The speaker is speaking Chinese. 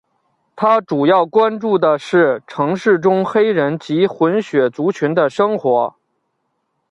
他主要关注的是城市中黑人及混血族群的生活。